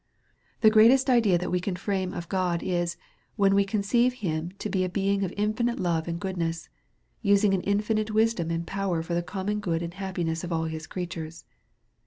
The greatest idea that we can frame of God is, when we conceive him to be a being of infinite love and goodness ; using an infinite wisdom and power for the common good and happiness of all his creatures.